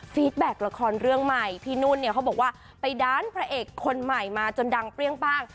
แบ็คละครเรื่องใหม่พี่นุ่นเนี่ยเขาบอกว่าไปดันพระเอกคนใหม่มาจนดังเปรี้ยงป้าง